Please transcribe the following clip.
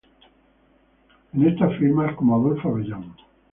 En estas firma como Adolfo Abellán.